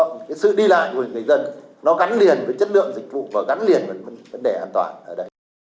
nó gắn liền với chất lượng dịch vụ và gắn liền với vấn đề an toàn ở đây